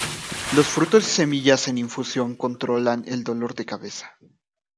Los frutos y semillas en infusión controlan el dolor de cabeza.